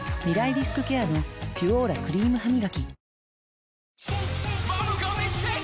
リスクケアの「ピュオーラ」クリームハミガキ